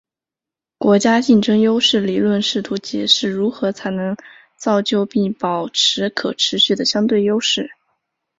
国家竞争优势理论试图解释如何才能造就并保持可持续的相对优势。